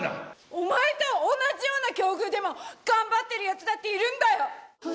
お前と同じような境遇でも頑張っているやつだっているんだよ。